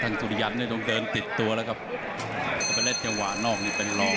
ในตรงเติ้ลติดตัวแล้วก็ไปเล่นเยาหวานนอกนิดเป็นรอบ